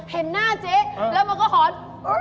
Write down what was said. เห็นหน้าเจ๊แล้วมันก็หอน